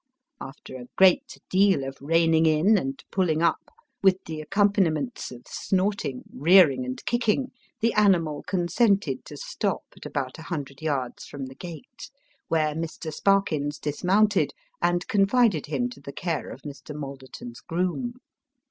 After a great deal of reining in, and pulling up, with the accompaniments of snorting, rearing, and kicking, the animal consented to stop at about a hundred yards from the gate, where Mr. Sparkins dismounted, and confided him to the care of Mr. Malderton's groom.